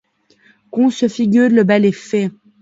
Qu’on se figure le bel effet !